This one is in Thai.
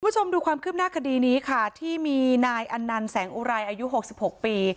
คุณผู้ชมดูความคืบหน้าคดีนี้ค่ะที่มีนายอันนันต์แสงอุไรอายุ๖๖ปี